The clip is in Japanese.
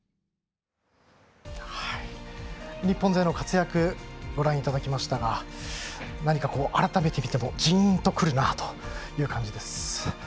日本勢の活躍をご覧いただきましたが何か改めて見てもじーんとくるなという感じです。